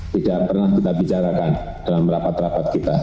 tidak pernah kita bicarakan dalam rapat rapat kita